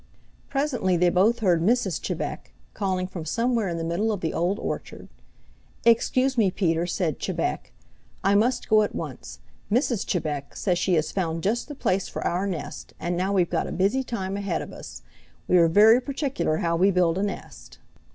Presently they both heard Mrs. Chebec calling from somewhere in the middle of the Old Orchard. "Excuse me, Peter," said Chebec, "I must go at once. Mrs. Chebec says she has found just the place for our nest, and now we've got a busy time ahead of us. We are very particular how we build a nest."